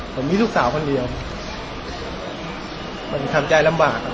ผมมีลูกสาวคนเดียวผมทำใจลำบาก